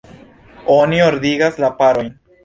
Oni ordigas la parojn.